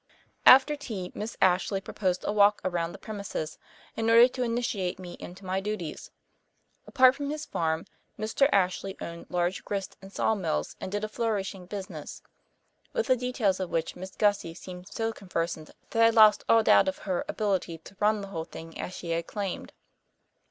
After tea Miss Ashley proposed a walk around the premises, in order to initiate me into my duties. Apart from his farm, Mr. Ashley owned large grist and saw mills and did a flourishing business, with the details of which Miss Gussie seemed so conversant that I lost all doubt of her ability to run the whole thing as she had claimed.